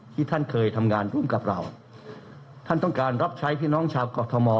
ที่ท่านเคยทำงานร่วมกับเราท่านต้องการรับใช้พี่น้องชาวกรทม